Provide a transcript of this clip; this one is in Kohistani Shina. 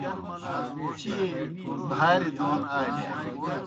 چیئے بھاریْ دون آلِیانیْ۔